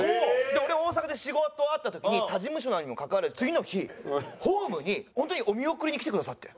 俺大阪で仕事あった時に他事務所なのにもかかわらず次の日ホームにホントにお見送りに来てくださって。